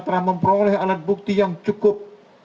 telah memperoleh alat bukti yang cukup